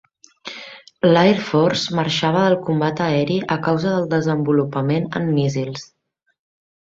L'Air Force marxava del combat aeri a causa del desenvolupament en míssils.